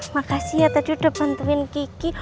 makasih ya tadi udah bantuin kiki